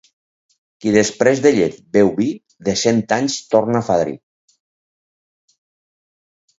Qui després de llet beu vi, de cent anys torna fadrí.